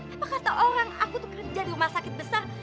apa kata orang aku tuh kerja di rumah sakit besar